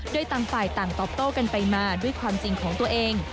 โดยต่างฝ่ายต่างตอบโต้กันไปมาด้วยความจริงของตัวเอง